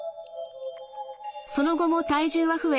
その後も体重は増え